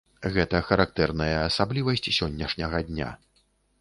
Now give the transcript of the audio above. Гэта характэрная асаблівасць сённяшняга дня.